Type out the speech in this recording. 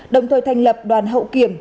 đồng thời thành lập đoàn hậu kiểm